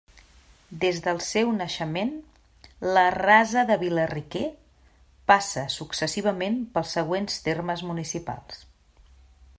Des del seu naixement, la Rasa de Vila-Riquer passa successivament pels següents termes municipals.